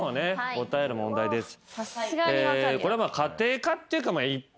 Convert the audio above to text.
答える問題です。